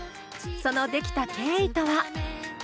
その出来た経緯とは？